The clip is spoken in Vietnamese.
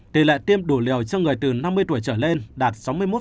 tỷ lệ tiêm đủ liều cho người từ năm mươi tuổi trở lên đạt sáu mươi một